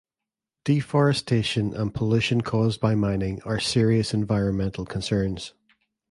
Deforestation and pollution caused by mining are serious environmental concerns.